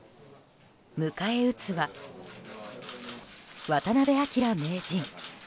迎え撃つは、渡辺明名人。